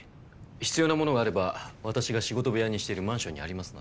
必要なものがあれば私が仕事部屋にしているマンションにありますので。